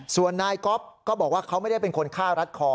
ส่วนนายก๊อฟก็บอกว่าเขาไม่ได้เป็นคนฆ่ารัดคอ